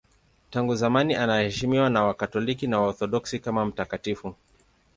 Tangu zamani anaheshimiwa na Wakatoliki na Waorthodoksi kama mtakatifu.